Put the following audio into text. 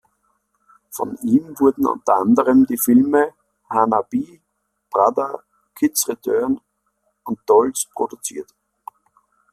Von ihm wurden unter anderem die Filme "Hana-Bi", "Brother", "Kids Return" und "Dolls" produziert.